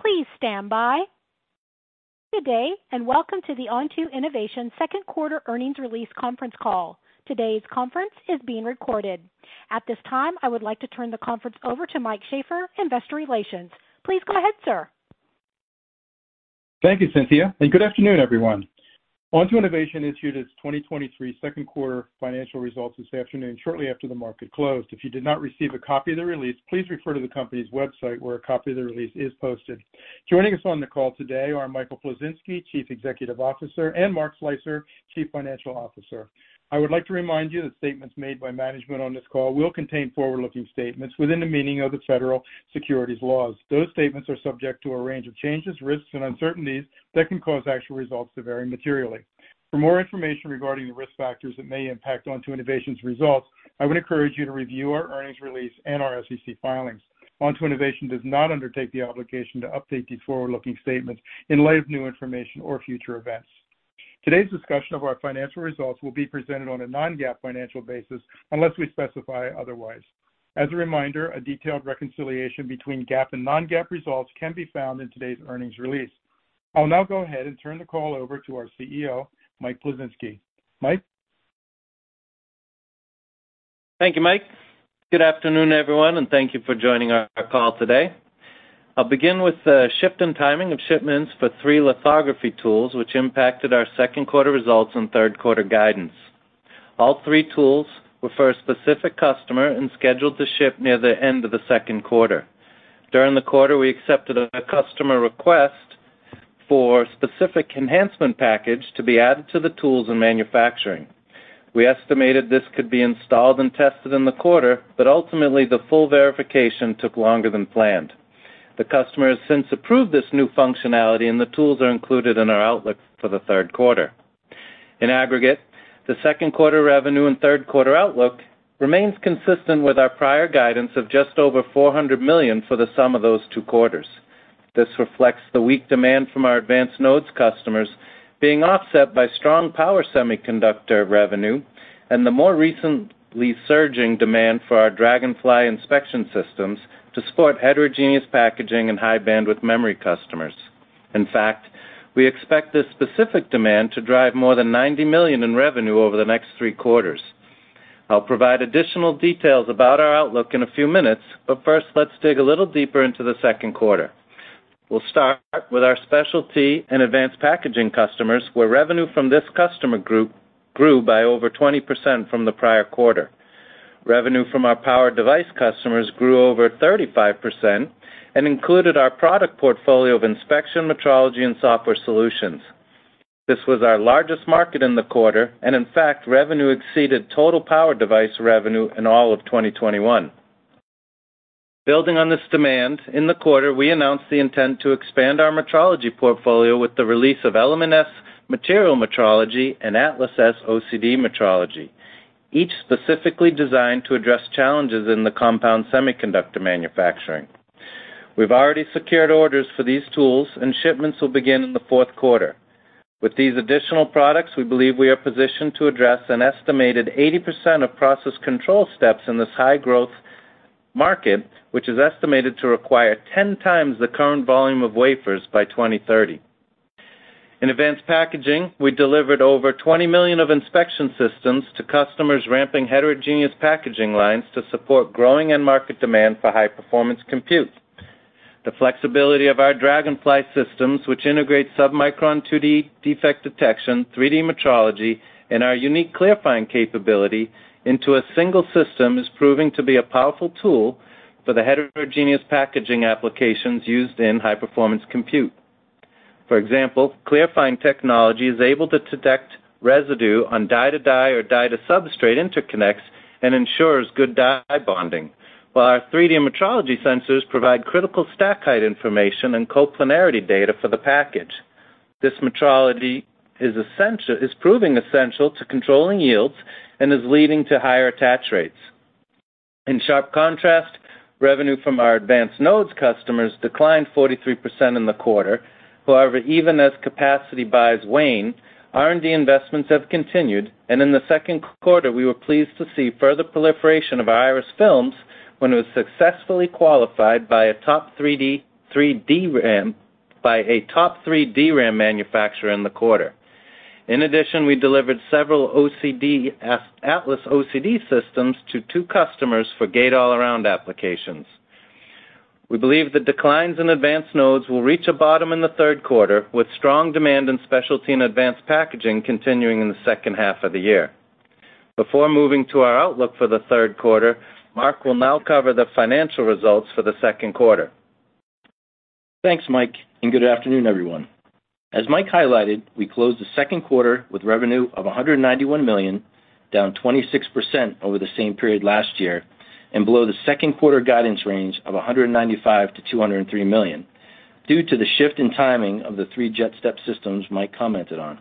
Please stand by. Good day. Welcome to the Onto Innovation second quarter earnings release conference call. Today's conference is being recorded. At this time, I would like to turn the conference over to Mike Sheaffer, Investor Relations. Please go ahead, sir. Thank you, Cynthia. Good afternoon, everyone. Onto Innovation issued its 2023 second quarter financial results this afternoon, shortly after the market closed. If you did not receive a copy of the release, please refer to the company's website, where a copy of the release is posted. Joining us on the call today are Michael Plaszynski, Chief Executive Officer, and Mark Slicer, Chief Financial Officer. I would like to remind you that statements made by management on this call will contain forward-looking statements within the meaning of the federal securities laws. Those statements are subject to a range of changes, risks, and uncertainties that can cause actual results to vary materially. For more information regarding the risk factors that may impact Onto Innovation's results, I would encourage you to review our earnings release and our SEC filings. Onto Innovation does not undertake the obligation to update these forward-looking statements in light of new information or future events. Today's discussion of our financial results will be presented on a non-GAAP financial basis, unless we specify otherwise. As a reminder, a detailed reconciliation between GAAP and non-GAAP results can be found in today's earnings release. I'll now go ahead and turn the call over to our CEO, Michael Plaszynski. Mike? Thank you, Mike. Good afternoon, everyone, and thank you for joining our call today. I'll begin with the shift in timing of shipments for three lithography tools, which impacted our second quarter results and third quarter guidance. All three tools were for a specific customer and scheduled to ship near the end of the second quarter. During the quarter, we accepted a customer request for specific enhancement package to be added to the tools and manufacturing. We estimated this could be installed and tested in the quarter, but ultimately, the full verification took longer than planned. The customer has since approved this new functionality, and the tools are included in our outlook for the third quarter. In aggregate, the second quarter revenue and third quarter outlook remains consistent with our prior guidance of just over $400 million for the sum of those two quarters. This reflects the weak demand from our advanced nodes customers being offset by strong power semiconductor revenue and the more recently surging demand for our Dragonfly inspection systems to support heterogeneous packaging and High Bandwidth Memory customers. In fact, we expect this specific demand to drive more than $90 million in revenue over the next three quarters. I'll provide additional details about our outlook in a few minutes, but first, let's dig a little deeper into the second quarter. We'll start with our specialty and advanced packaging customers, where revenue from this customer group grew by over 20% from the prior quarter. Revenue from our power device customers grew over 35% and included our product portfolio of inspection, metrology, and software solutions. This was our largest market in the quarter, and in fact, revenue exceeded total power device revenue in all of 2021. Building on this demand, in the quarter, we announced the intent to expand our metrology portfolio with the release of Element S materials metrology and Atlas S OCD metrology, each specifically designed to address challenges in the compound semiconductor manufacturing. We've already secured orders for these tools, and shipments will begin in the fourth quarter. With these additional products, we believe we are positioned to address an estimated 80% of process control steps in this high-growth market, which is estimated to require 10 times the current volume of wafers by 2030. In advanced packaging, we delivered over 20 million of inspection systems to customers ramping heterogeneous packaging lines to support growing end-market demand for high-performance computing. The flexibility of our Dragonfly systems, which integrate submicron 2D defect detection, 3D metrology, and our unique Clearfind capability into a single system, is proving to be a powerful tool for the heterogeneous packaging applications used in high-performance computing. For example, Clearfind technology is able to detect residue on die-to-die or die-to-wafer interconnects and ensures good die bonding. While our 3D metrology sensors provide critical stack height information and coplanarity data for the package. This metrology is proving essential to controlling yields and is leading to higher attach rates. In sharp contrast, revenue from our advanced nodes customers declined 43% in the quarter. However, even as capacity buys wane, R&D investments have continued, and in the second quarter, we were pleased to see further proliferation of our Iris films when it was successfully qualified by a top 3D DRAM manufacturer in the quarter. In addition, we delivered several OCD, Atlas OCD systems to two customers for gate-all-around applications. We believe the declines in advanced nodes will reach a bottom in the third quarter, with strong demand in specialty and advanced packaging continuing in the second half of the year. Before moving to our outlook for the third quarter, Mark will now cover the financial results for the second quarter. Thanks, Mike. Good afternoon, everyone. As Mike highlighted, we closed the second quarter with revenue of $191 million, down 26% over the same period last year, and below the second quarter guidance range of 195 million-203 million due to the shift in timing of the three JetStep systems Mike commented on.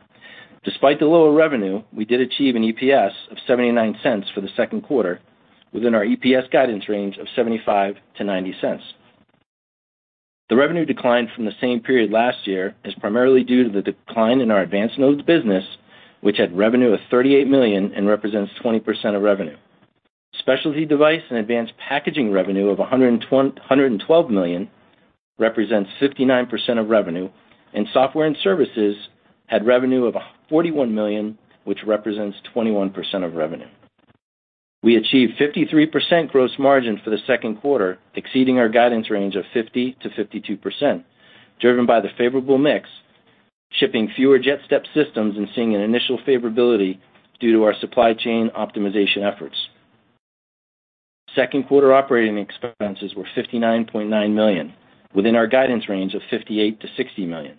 Despite the lower revenue, we did achieve an EPS of $0.79 for the second quarter, within our EPS guidance range of 0.75-0.90. The revenue decline from the same period last year is primarily due to the decline in our advanced nodes business, which had revenue of $38 million and represents 20% of revenue. Specialty device and advanced packaging revenue of $112 million represents 59% of revenue. Software and services had revenue of $41 million, which represents 21% of revenue. We achieved 53% gross margin for the second quarter, exceeding our guidance range of 50%-52%, driven by the favorable mix, shipping fewer JetStep systems and seeing an initial favorability due to our supply chain optimization efforts. Second quarter operating expenses were $59.9 million, within our guidance range of $58 million-$60 million.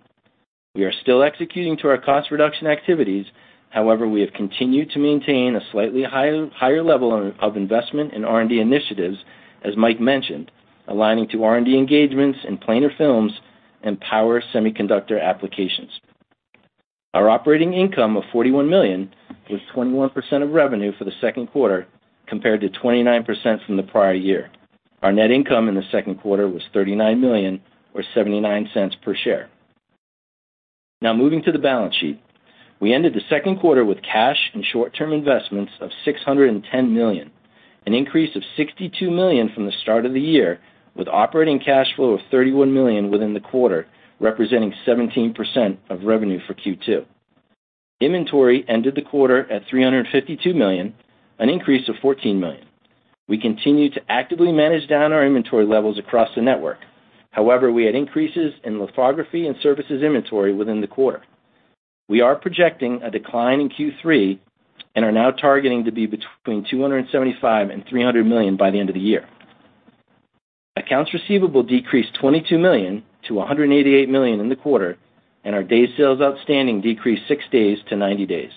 We are still executing to our cost reduction activities. However, we have continued to maintain a slightly higher level of investment in R&D initiatives, as Mike mentioned, aligning to R&D engagements in planar films and power semiconductor applications. Our operating income of 41 million was 21% of revenue for the second quarter, compared to 29% from the prior year. Our net income in the second quarter was $39 million, or $0.79 per share. Now moving to the balance sheet. We ended the second quarter with cash and short-term investments of 610 million, an increase of 62 million from the start of the year, with operating cash flow of 31 million within the quarter, representing 17% of revenue for Q2. Inventory ended the quarter at 352 million, an increase of 14 million. We continue to actively manage down our inventory levels across the network. However, we had increases in lithography and services inventory within the quarter. We are projecting a decline in Q3 and are now targeting to be between 275 million and 300 million by the end of the year. Accounts receivable decreased 22 million to 188 million in the quarter, and our days sales outstanding decreased six days to 90 days.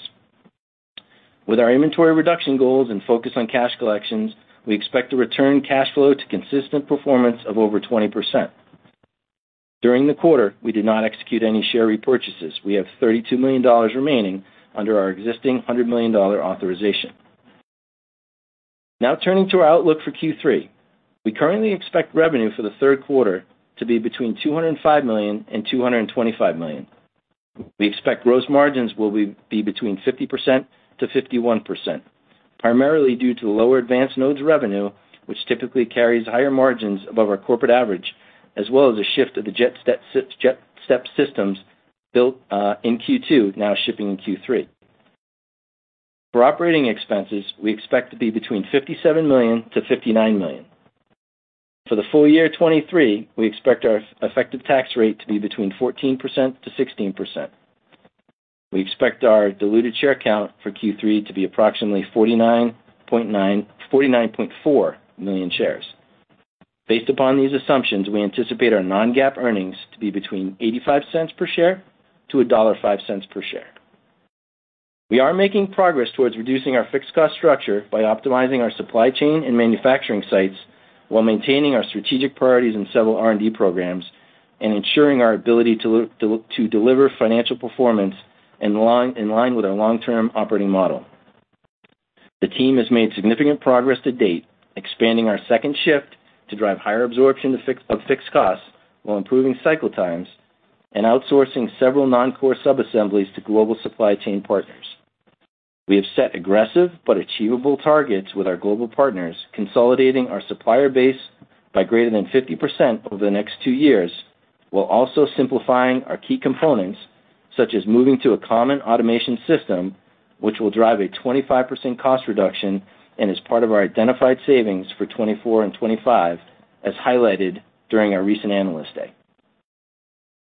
With our inventory reduction goals and focus on cash collections, we expect to return cash flow to consistent performance of over 20%. During the quarter, we did not execute any share repurchases. We have $32 million remaining under our existing $100 million authorization. Now turning to our outlook for Q3. We currently expect revenue for the third quarter to be between 205 million and 225 million. We expect gross margins will be between 50%-51%, primarily due to lower advanced nodes revenue, which typically carries higher margins above our corporate average, as well as a shift of the JetStep systems built in Q2, now shipping in Q3. For operating expenses, we expect to be between $57 million-$59 million. For the full year 2023, we expect our effective tax rate to be between 14%-16%. We expect our diluted share count for Q3 to be approximately 49.4 million shares. Based upon these assumptions, we anticipate our non-GAAP earnings to be between $0.85 per share to $1.05 per share. We are making progress towards reducing our fixed cost structure by optimizing our supply chain and manufacturing sites, while maintaining our strategic priorities in several R&D programs, and ensuring our ability to deliver financial performance in line, in line with our long-term operating model. The team has made significant progress to date, expanding our second shift to drive higher absorption of fixed costs, while improving cycle times and outsourcing several non-core subassemblies to global supply chain partners. We have set aggressive but achievable targets with our global partners, consolidating our supplier base by greater than 50% over the next two years, while also simplifying our key components, such as moving to a common automation system, which will drive a 25% cost reduction and is part of our identified savings for 2024 and 2025, as highlighted during our recent Analyst Day.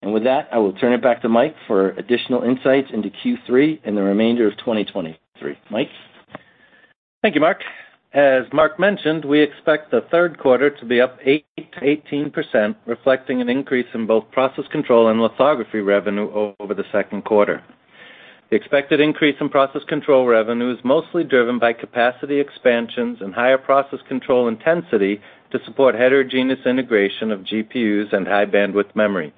With that, I will turn it back to Mike for additional insights into Q3 and the remainder of 2023. Mike? Thank you, Mark. As Mark mentioned, we expect the third quarter to be up 8%-18%, reflecting an increase in both process control and lithography revenue over the second quarter. The expected increase in process control revenue is mostly driven by capacity expansions and higher process control intensity to support heterogeneous integration of GPUs and High Bandwidth Memory.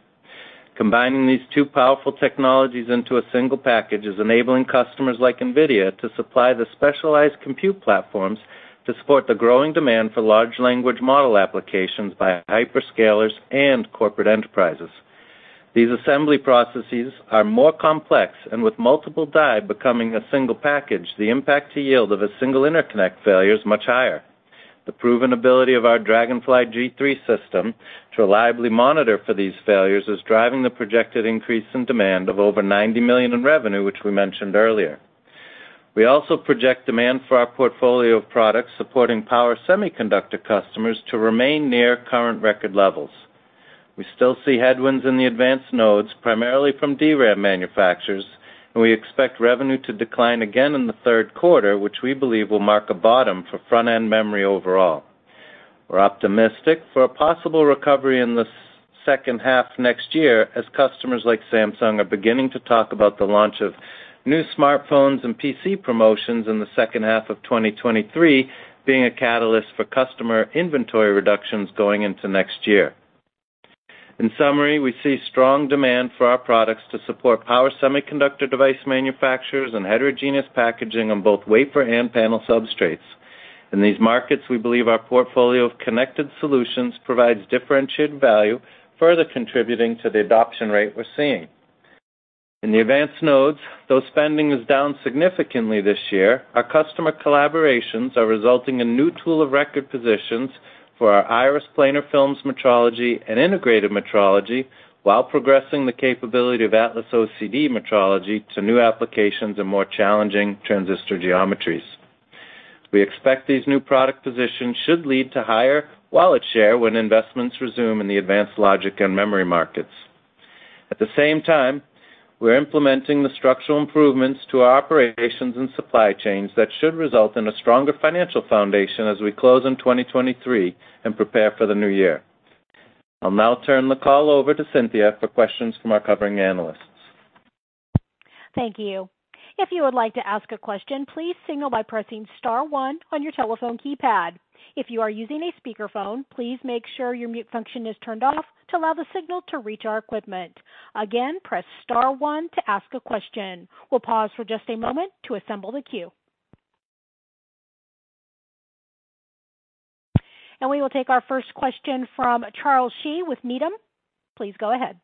Combining these two powerful technologies into a single package is enabling customers like NVIDIA to supply the specialized compute platforms to support the growing demand for large language model applications by hyperscalers and corporate enterprises. These assembly processes are more complex, and with multiple die becoming a single package, the impact to yield of a single interconnect failure is much higher. The proven ability of our Dragonfly G3 system to reliably monitor for these failures is driving the projected increase in demand of over $90 million in revenue, which we mentioned earlier. We also project demand for our portfolio of products supporting power semiconductor customers to remain near current record levels. We still see headwinds in the advanced nodes, primarily from DRAM manufacturers. We expect revenue to decline again in the third quarter, which we believe will mark a bottom for front-end memory overall. We're optimistic for a possible recovery in the second half next year, as customers like Samsung are beginning to talk about the launch of new smartphones and PC promotions in the second half of 2023, being a catalyst for customer inventory reductions going into next year. In summary, we see strong demand for our products to support power semiconductor device manufacturers and heterogeneous packaging on both wafer and panel substrates. In these markets, we believe our portfolio of connected solutions provides differentiated value, further contributing to the adoption rate we're seeing... In the advanced nodes, though spending is down significantly this year, our customer collaborations are resulting in new tool of record positions for our IRIS planar films metrology and integrated metrology, while progressing the capability of Atlas OCD metrology to new applications and more challenging transistor geometries. We expect these new product positions should lead to higher wallet share when investments resume in the advanced logic and memory markets. At the same time, we're implementing the structural improvements to our operations and supply chains that should result in a stronger financial foundation as we close in 2023 and prepare for the new year. I'll now turn the call over to Cynthia for questions from our covering analysts. Thank you. If you would like to ask a question, please signal by pressing star one on your telephone keypad. If you are using a speakerphone, please make sure your mute function is turned off to allow the signal to reach our equipment. Again, press star one to ask a question. We'll pause for just a moment to assemble the queue. We will take our first question from Charles Shi with Needham. Please go ahead.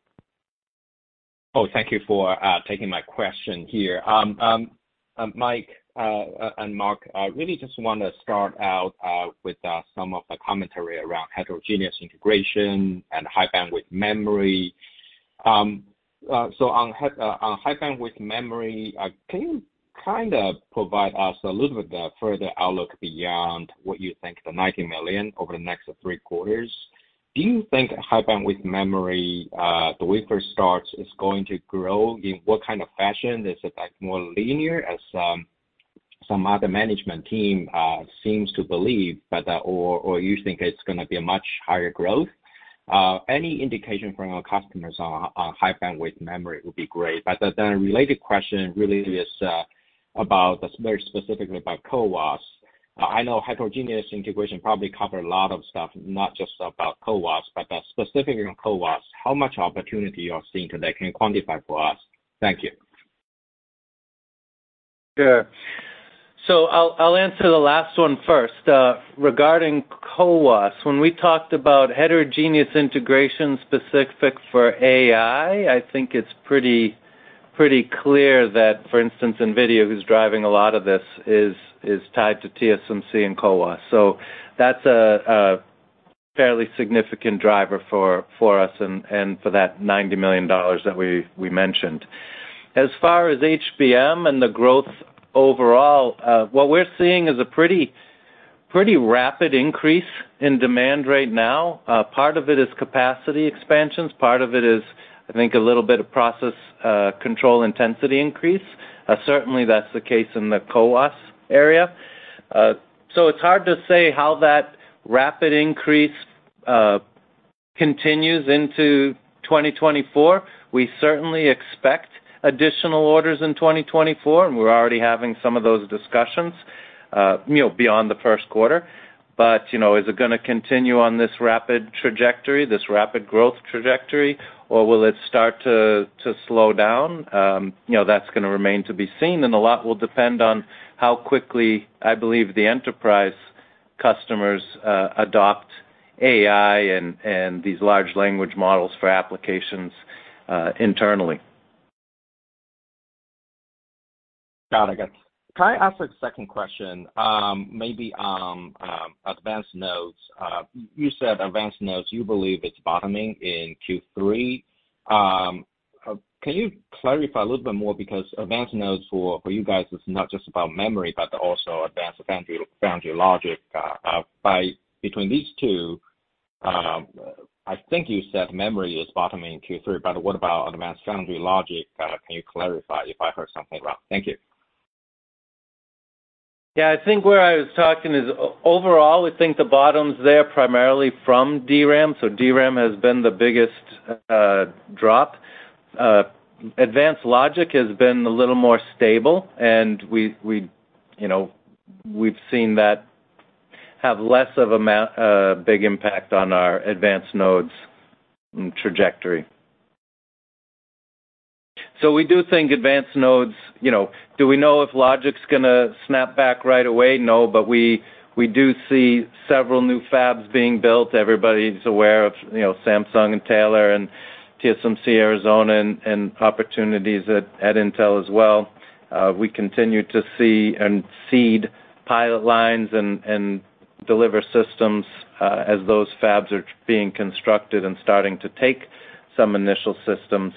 Oh, thank you for taking my question here. Mike and Mark, I really just want to start out with some of the commentary around heterogeneous integration and High Bandwidth Memory. So on High Bandwidth Memory, can you kind of provide us a little bit further outlook beyond what you think, the $90 million over the next 3 quarters? Do you think High Bandwidth Memory, the wafer starts, is going to grow, in what kind of fashion? Is it, like, more linear, as some other management team seems to believe, or you think it's going to be a much higher growth? Any indication from our customers on High Bandwidth Memory would be great. Then a related question really is about very specifically about CoWoS. I know heterogeneous integration probably cover a lot of stuff, not just about CoWoS, but specifically on CoWoS, how much opportunity you're seeing today, can you quantify for us? Thank you. Sure. I'll, I'll answer the last one first. Regarding CoWoS, when we talked about heterogeneous integration specific for AI, I think it's pretty, pretty clear that, for instance, NVIDIA, who's driving a lot of this, is, is tied to TSMC and CoWoS. That's a, a fairly significant driver for, for us and, and for that $90 million that we, we mentioned. As far as HBM and the growth overall, what we're seeing is a pretty, pretty rapid increase in demand right now. Part of it is capacity expansions, part of it is, I think, a little bit of process control intensity increase. Certainly, that's the case in the CoWoS area. It's hard to say how that rapid increase continues into 2024. We certainly expect additional orders in 2024, and we're already having some of those discussions, you know, beyond the first quarter. You know, is it gonna continue on this rapid trajectory, this rapid growth trajectory, or will it start to slow down? You know, that's gonna remain to be seen, and a lot will depend on how quickly, I believe, the enterprise customers adopt AI and these large language models for applications internally. Got it. Can I ask a second question? Maybe advanced nodes. You said advanced nodes, you believe it's bottoming in Q3. Can you clarify a little bit more? Because advanced nodes for, for you guys is not just about memory, but also advanced foundry logic. By between these two, I think you said memory is bottoming in Q3, but what about advanced foundry logic? Can you clarify if I heard something wrong? Thank you. I think where I was talking is overall, we think the bottom's there primarily from DRAM. DRAM has been the biggest drop. Advanced logic has been a little more stable, and we, we, you know, we've seen that have less of a big impact on our advanced nodes and trajectory. We do think advanced nodes, you know... Do we know if logic's gonna snap back right away? No. We, we do see several new fabs being built. Everybody's aware of, you know, Samsung and Taylor and TSMC, Arizona, and opportunities at Intel as well. We continue to see and seed pilot lines and deliver systems as those fabs are being constructed and starting to take some initial systems.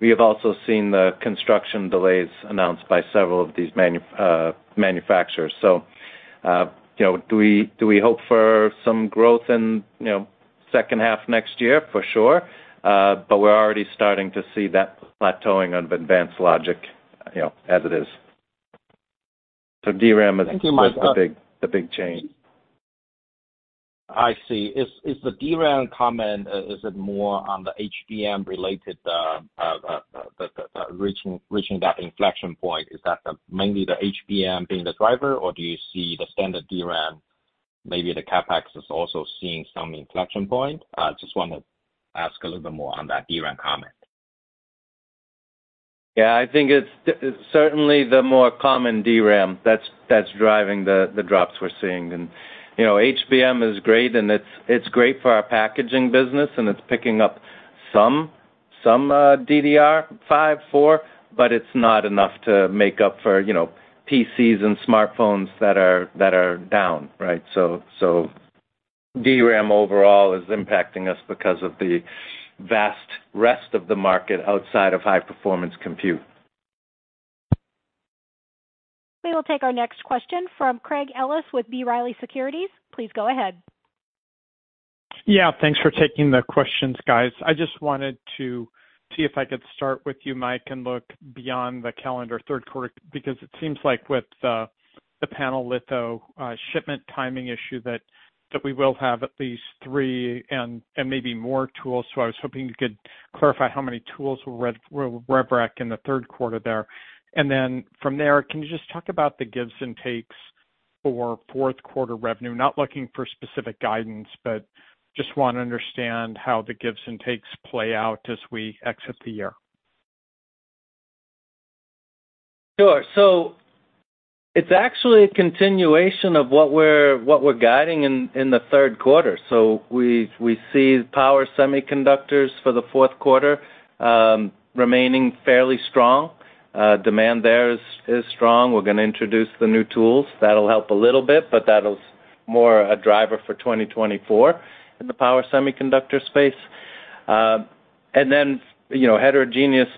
We have also seen the construction delays announced by several of these manufacturers. You know, do we, do we hope for some growth in, you know, second half next year? For sure. We're already starting to see that plateauing of advanced logic, you know, as it is. DRAM is. Thank you, Mark. the big change. I see. Is the DRAM comment, is it more on the HBM related, the reaching that inflection point, is that the mainly the HBM being the driver, or do you see the standard DRAM, maybe the CapEx is also seeing some inflection point? I just want to ask a little bit more on that DRAM comment. Yeah, I think it's certainly the more common DRAM that's, that's driving the, the drops we're seeing. You know, HBM is great, and it's, it's great for our packaging business, and it's picking up some, some DDR5, four, but it's not enough to make up for, you know, PCs and smartphones that are, that are down, right? DRAM overall is impacting us because of the vast rest of the market outside of high-performance computing. We will take our next question from Craig Ellis with B. Riley Securities. Please go ahead. Yeah, thanks for taking the questions, guys. I just wanted to see if I could start with you, Mike, and look beyond the calendar third quarter, because it seems like with the panel lithography shipment timing issue, that we will have at least three and maybe more tools. I was hoping you could clarify how many tools will rev rec in the third quarter there. From there, can you just talk about the gives and takes for fourth quarter revenue? Not looking for specific guidance, just want to understand how the gives and takes play out as we exit the year. Sure. It's actually a continuation of what we're, what we're guiding in, in the third quarter. We see power semiconductors for the fourth quarter, remaining fairly strong. Demand there is, is strong. We're going to introduce the new tools. That'll help a little bit, but that is more a driver for 2024 in the power semiconductor space. Then, you know, heterogeneous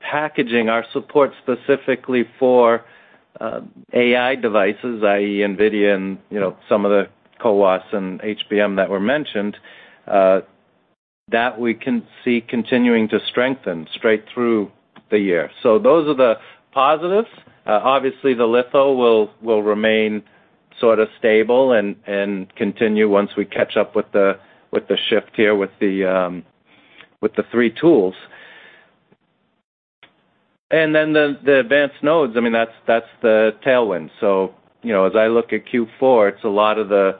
packaging, our support specifically for AI devices, i.e, NVIDIA and, you know, some of the CoWoS and HBM that were mentioned, that we can see continuing to strengthen straight through the year. Those are the positives. Obviously, the litho will, will remain sort of stable and, and continue once we catch up with the, with the shift here with the 3 tools. Then the, the advanced nodes, I mean, that's, that's the tailwind. you know, as I look at Q4, it's a lot of the,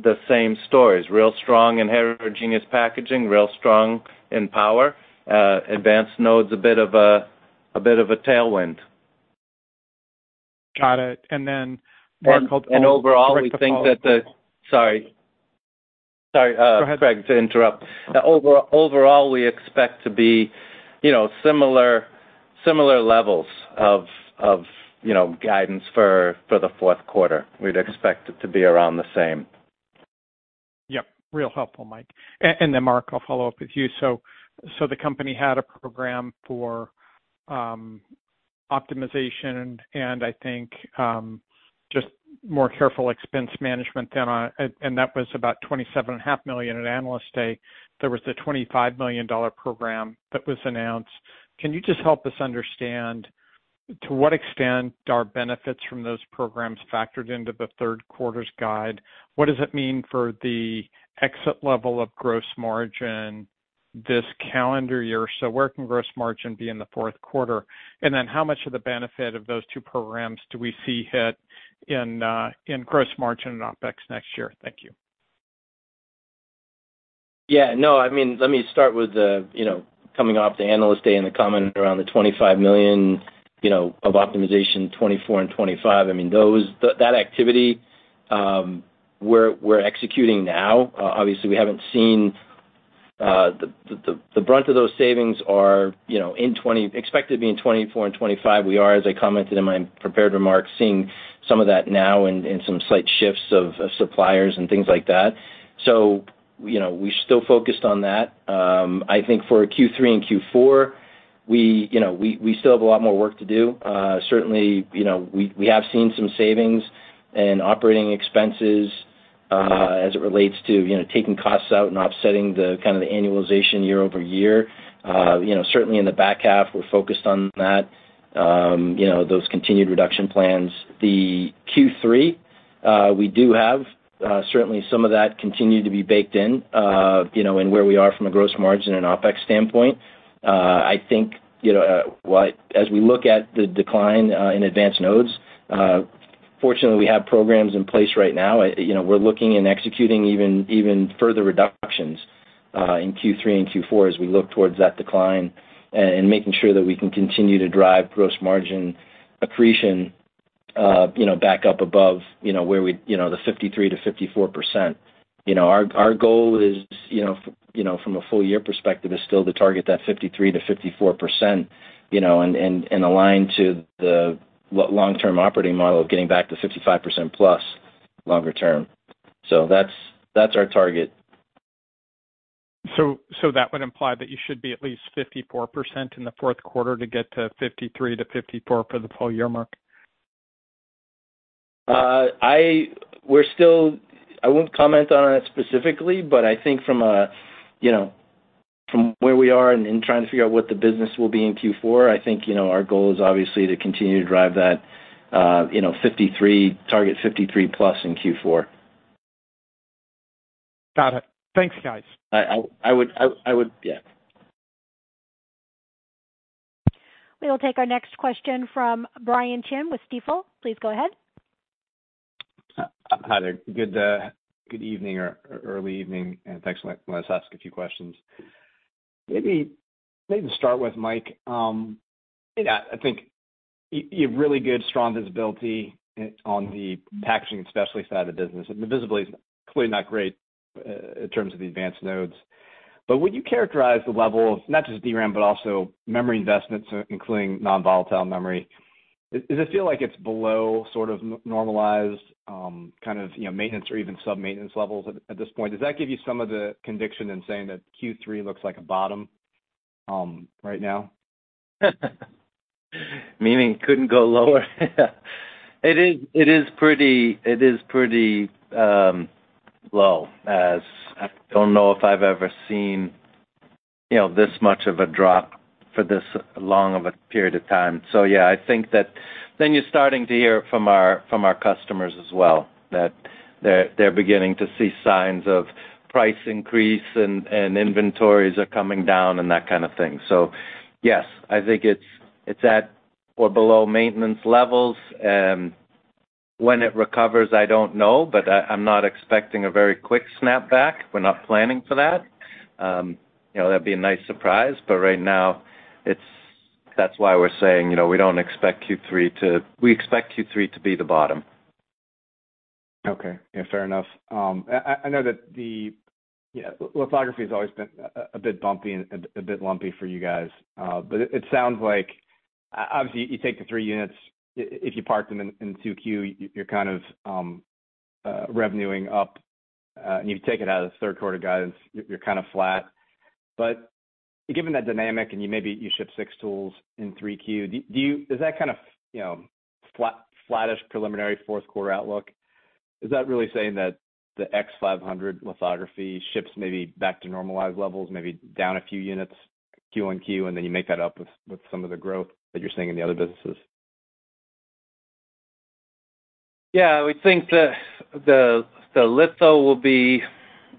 the same stories, real strong in heterogeneous packaging, real strong in power, advanced nodes, a bit of a, a bit of a tailwind. Got it., Mark- overall, we think that the... Sorry. Sorry. Go ahead. Craig, to interrupt. Overall, overall, we expect to be, you know, similar, similar levels of, you know, guidance for, the fourth quarter. We'd expect it to be around the same. Yep. Real helpful, Mike. Then, Mark, I'll follow up with you. The company had a program for optimization and I think just more careful expense management than... That was about 27.5 million at Analyst Day. There was the $25 million program that was announced. Can you just help us understand, to what extent are benefits from those programs factored into the third quarter's guide? What does it mean for the exit level of gross margin this calendar year? Where can gross margin be in the fourth quarter? Then how much of the benefit of those two programs do we see hit in gross margin and OpEx next year? Thank you. Yeah. No, I mean, let me start with the, you know, coming off the Analyst Day and the comment around the 25 million, you know, of optimization, 2024 and 2025. I mean, those, that activity, we're executing now. Obviously, we haven't seen the brunt of those savings are, you know, expected to be in 2024 and 2025. We are, as I commented in my prepared remarks, seeing some of that now and, and some slight shifts of suppliers and things like that. You know, we're still focused on that. I think for Q3 and Q4, we, you know, we still have a lot more work to do. Certainly, you know, we, we have seen some savings and operating expenses, as it relates to, you know, taking costs out and offsetting the kind of the annualization year-over-year. You know, certainly in the back half, we're focused on that, you know, those continued reduction plans. The Q3, we do have, certainly some of that continued to be baked in, you know, in where we are from a gross margin and OpEx standpoint. I think, you know, as we look at the decline, in advanced nodes, fortunately, we have programs in place right now. You know, we're looking and executing even, even further reductions in Q3 and Q4 as we look towards that decline, and making sure that we can continue to drive gross margin accretion, you know, back up above, you know, where we, you know, the 53%-54%. You know, our, our goal is, you know, you know, from a full year perspective, is still to target that 53%-54%, you know, and, and, and align to the long-term operating model of getting back to 55% plus longer term. So that's, that's our target. so that would imply that you should be at least 54% in the Q4 to get to 53%-54% for the full year mark? I won't comment on it specifically, but I think from a, you know, from where we are and in trying to figure out what the business will be in Q4, I think, you know, our goal is obviously to continue to drive that, you know, 53, target 53+ in Q4. Got it. Thanks, guys. I would, yeah. We will take our next question from Brian Chin with Stifel. Please go ahead. Hi there. Good, good evening or early evening, and thanks. Let us ask a few questions. Maybe, maybe to start with, Mike, yeah, I think you, you have really good, strong visibility on the packaging, especially side of the business. The visibility is clearly not great in terms of the advanced nodes. Would you characterize the level of not just DRAM, but also memory investments, including non-volatile memory? Does it feel like it's below sort of normalized, kind of, you know, maintenance or even sub-maintenance levels at, at this point? Does that give you some of the conviction in saying that Q3 looks like a bottom right now? Meaning couldn't go lower? Yeah, it is, it is pretty, it is pretty low, as I don't know if I've ever seen, you know, this much of a drop for this long of a period of time. I think that then you're starting to hear from our, from our customers as well, that they're, they're beginning to see signs of price increase and, and inventories are coming down and that kind of thing. I think it's, it's at or below maintenance levels, and when it recovers, I don't know, but I, I'm not expecting a very quick snapback. We're not planning for that. You know, that'd be a nice surprise. Right now, that's why we're saying, you know, we don't expect Q3 to... We expect Q3 to be the bottom. Okay. Yeah, fair enough. I, I, I know that the, yeah, lithography has always been a bit bumpy and a bit lumpy for you guys. It sounds like, obviously, you take the 3 units. If you park them in 2 Q, you're kind of, revenuing up, and you take it out of the 3rd quarter guidance, you're, you're kind of flat. Given that dynamic, and you maybe you ship 6 tools in 3 Q, is that kind of, you know, flattish preliminary 4th quarter outlook? Is that really saying that the X500 lithography ships maybe back to normalized levels, maybe down a few units, Q on Q, and then you make that up with, with some of the growth that you're seeing in the other businesses? Yeah, we think the litho will be.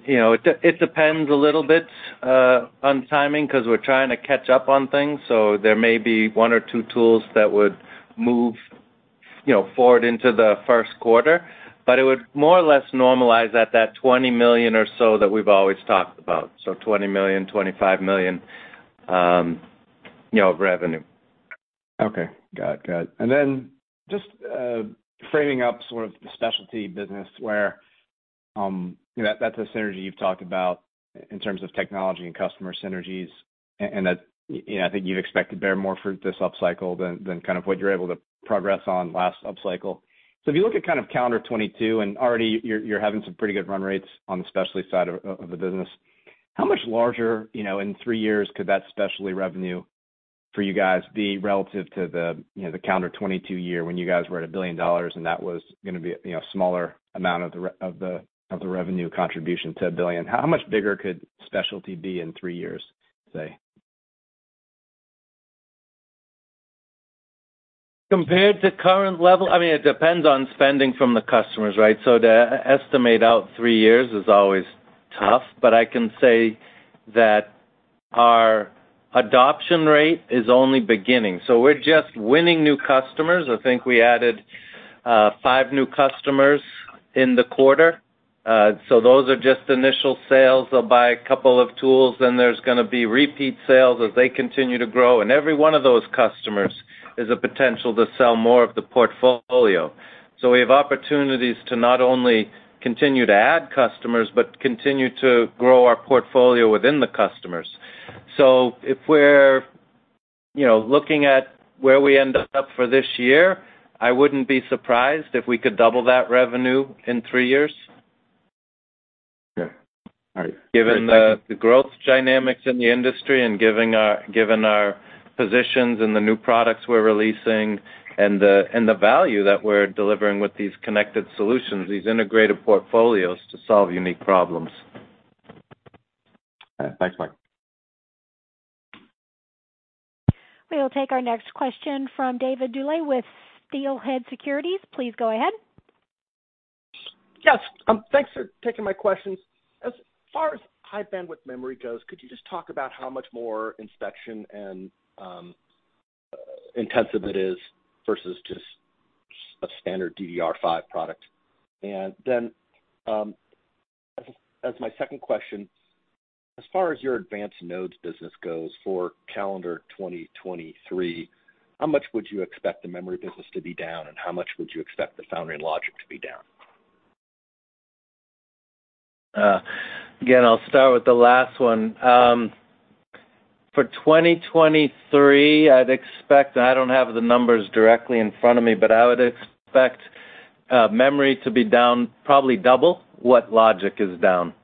You know, it depends a little bit on timing because we're trying to catch up on things, so there may be one or two tools that would move, you know, forward into the first quarter, but it would more or less normalize at that 20 million or so that we've always talked about. 20 million-25 million, you know, revenue. Okay. Got it. Got it. Just framing up sort of the specialty business where, you know, that's a synergy you've talked about in terms of technology and customer synergies, and that, you know, I think you'd expect to bear more fruit this upcycle than, than kind of what you're able to progress on last upcycle. So if you look at kind of calendar 2022, and already you're, you're having some pretty good run rates on the specialty side of the business, how much larger, you know, in three years, could that specialty revenue for you guys be relative to the, you know, the calendar 2022 year, when you guys were at $1 billion, and that was going to be, you know, a smaller amount of the revenue contribution to $1 billion? How much bigger could specialty be in three years, say? Compared to current level? I mean, it depends on spending from the customers, right? To estimate out three years is always tough, but I can say that our adoption rate is only beginning. We're just winning new customers. I think we added five new customers in the quarter. Those are just initial sales. They'll buy a couple of tools, then there's going to be repeat sales as they continue to grow, and every one of those customers is a potential to sell more of the portfolio. We have opportunities to not only continue to add customers, but continue to grow our portfolio within the customers. If we're, you know, looking at where we end up for this year, I wouldn't be surprised if we could double that revenue in 3 years. Okay. All right. Given the growth dynamics in the industry and given our positions and the new products we're releasing and the value that we're delivering with these connected solutions, these integrated portfolios to solve unique problems. All right. Thanks, Mike. We will take our next question from David Duley with Steelhead Securities. Please go ahead. Yes, thanks for taking my questions. As far as High Bandwidth Memory goes, could you just talk about how much more inspection and intensive it is versus just a standard DDR5 product? As my second question, as far as your advanced nodes business goes for calendar 2023, how much would you expect the memory business to be down, and how much would you expect the foundry and logic to be down? Again, I'll start with the last one. For 2023, I'd expect, I don't have the numbers directly in front of me, but I would expect memory to be down, probably double what logic is down.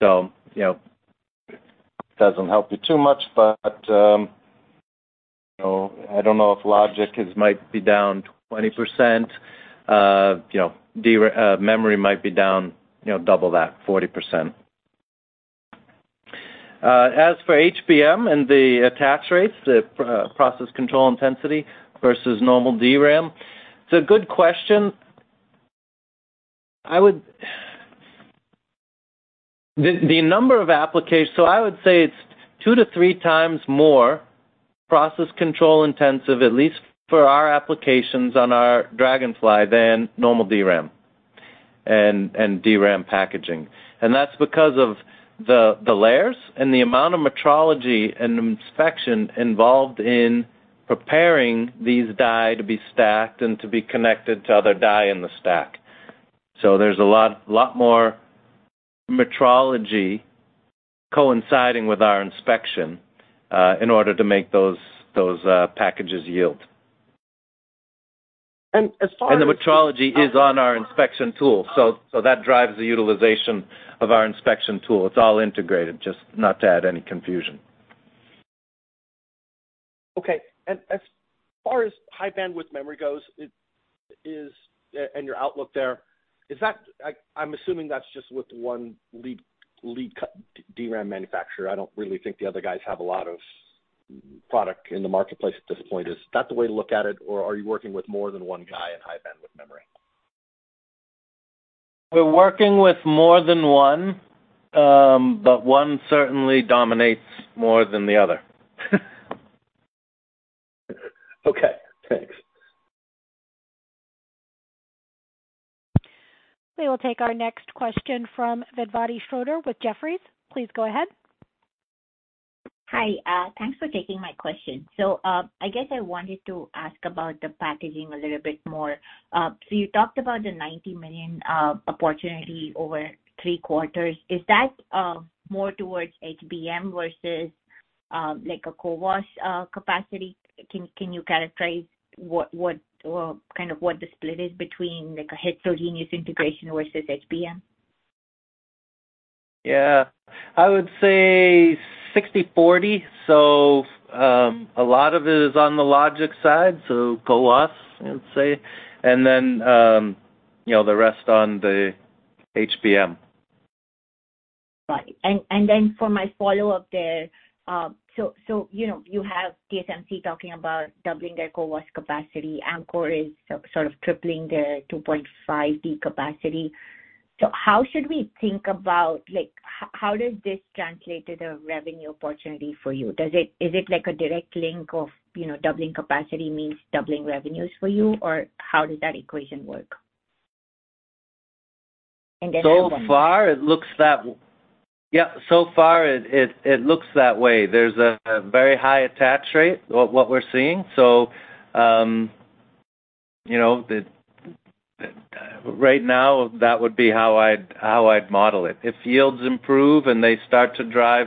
You know, doesn't help you too much, but, you know, I don't know if logic is, might be down 20%. You know, DRAM, memory might be down, you know, double that, 40%. As for HBM and the attach rates, the process control intensity versus normal DRAM, it's a good question. The number of applications, so I would say it's two to three times more process control intensive, at least for our applications on our Dragonfly, than normal DRAM and DRAM packaging. That's because of the, the layers and the amount of metrology and inspection involved in preparing these die to be stacked and to be connected to other die in the stack. There's a lot, lot more metrology coinciding with our inspection, in order to make those, those, packages yield. And as far as- The metrology is on our inspection tool, so that drives the utilization of our inspection tool. It's all integrated, just not to add any confusion. Okay. As far as High Bandwidth Memory goes, it is, and your outlook there, is that I'm assuming that's just with one lead, lead DRAM manufacturer. I don't really think the other guys have a lot of product in the marketplace at this point. Is that the way to look at it, or are you working with more than one guy in High Bandwidth Memory? We're working with more than one, but one certainly dominates more than the other. Okay, thanks. We will take our next question from Vedvati Shrotre with Jefferies. Please go ahead. Hi, thanks for taking my question. I guess I wanted to ask about the packaging a little bit more. You talked about the $90 million opportunity over three quarters. Is that more towards HBM versus, like, a CoWoS capacity? Can, can you characterize what, what or kind of what the split is between, like, a heterogeneous integration versus HBM? Yeah, I would say 60/40. A lot of it is on the logic side, so CoWoS, I'd say. Then, you know, the rest on the HBM. Right. Then for my follow-up there, you know, you have TSMC talking about doubling their CoWoS capacity. Amkor is sort of tripling their 2.5D capacity. How should we think about, like, how does this translate to the revenue opportunity for you? Is it like a direct link of, you know, doubling capacity means doubling revenues for you, or how does that equation work? Far, it looks that way. There's a very high attach rate, what we're seeing. You know, right now, that would be how I'd model it. If yields improve and they start to drive,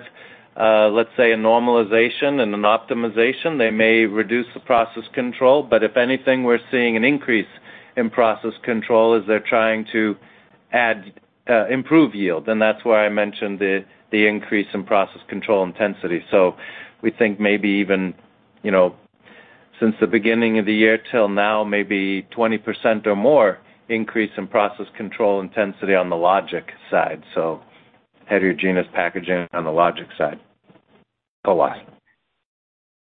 let's say, a normalization and an optimization, they may reduce the process control, but if anything, we're seeing an increase in process control as they're trying to add, improve yield. That's why I mentioned the increase in process control intensity. We think maybe even, you know, since the beginning of the year till now, maybe 20% or more increase in process control intensity on the logic side. Heterogeneous packaging on the logic side, CoWoS.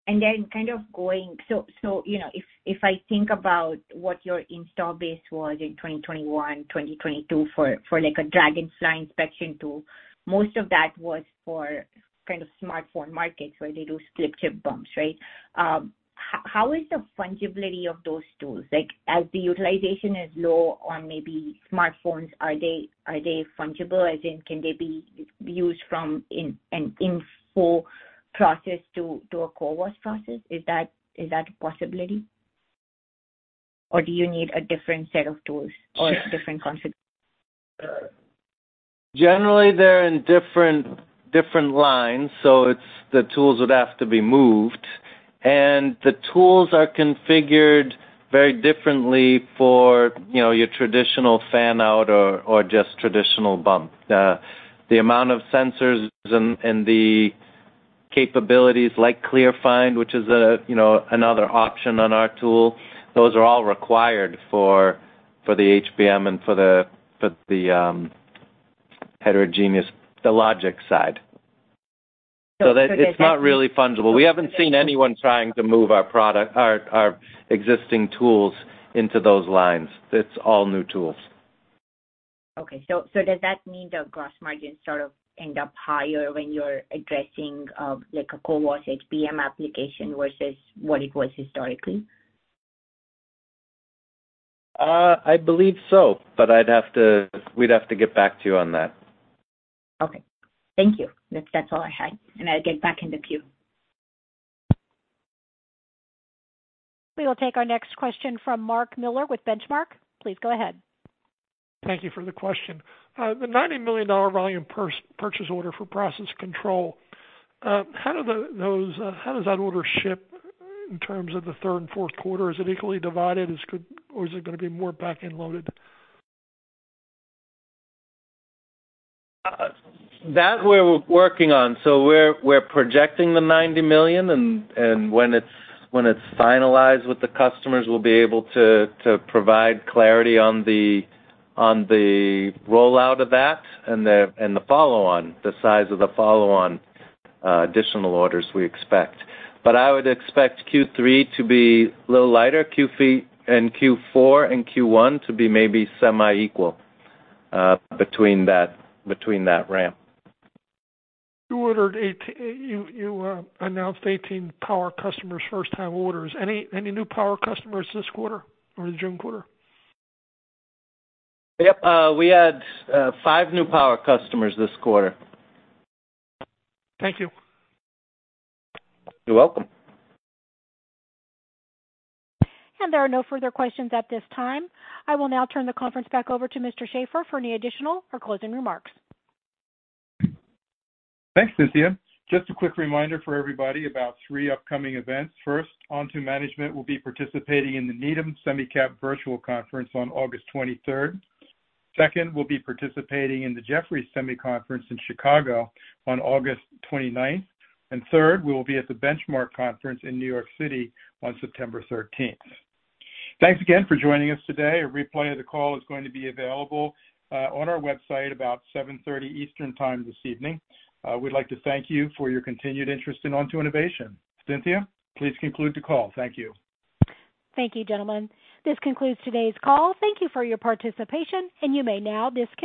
Kind of going, you know, if I think about what your install base was in 2021, 2022 for like a Dragonfly inspection tool, most of that was for kind of smartphone markets, where they do flip chip bumps, right? How is the fungibility of those tools? Like, as the utilization is low on maybe smartphones, are they fungible, as in, can they be used from, in an in full process to a CoWoS process? Is that a possibility? Or do you need a different set of tools or a different config? Generally, they're in different, different lines, so it's, the tools would have to be moved. The tools are configured very differently for, you know, your traditional fan-out or, or just traditional bump. The amount of sensors and, and the capabilities like Clearfind, which is a, you know, another option on our tool, those are all required for, for the HBM and for the, for the heterogeneous, the logic side. So- It's not really fungible. We haven't seen anyone trying to move our product, our existing tools into those lines. It's all new tools. Okay. Does that mean the gross margins sort of end up higher when you're addressing, like a CoWoS HBM application versus what it was historically? I believe so, but I'd have to... We'd have to get back to you on that. Okay. Thank you. That's all I had, and I'll get back in the queue. We will take our next question from Mark Miller with Benchmark. Please go ahead. Thank you for the question. The $90 million volume purchase order for process control, how do those, how does that order ship in terms of the third and fourth quarter? Is it equally divided? Is it going to be more back-end loaded? that we're working on. We're, we're projecting the 90 million, and, and when it's, when it's finalized with the customers, we'll be able to, to provide clarity on the, on the rollout of that and the, and the follow-on, the size of the follow-on, additional orders we expect. I would expect Q3 to be a little lighter, Q3 and Q4 and Q1 to be maybe semi-equal, between that, between that ramp. You announced 18 power customers, first-time orders. Any, any new power customers this quarter or the June quarter? Yep, we had five new power customers this quarter. Thank you. You're welcome. There are no further questions at this time. I will now turn the conference back over to Mr. Sheaffer for any additional or closing remarks. Thanks, Cynthia. Just a quick reminder for everybody about 3 upcoming events. First, Onto Management will be participating in the Needham Semicap Virtual Conference on August 23rd. Second, we'll be participating in the Jefferies Semi Conference in Chicago on August 29th. And third, we will be at the Benchmark Conference in New York City on September 13th. Thanks again for joining us today. A replay of the call is going to be available, on our website about 7:30 P.M. Eastern Time this evening. We'd like to thank you for your continued interest in Onto Innovation. Cynthia, please conclude the call. Thank you. Thank you, gentlemen. This concludes today's call. Thank you for your participation, and you may now disconnect.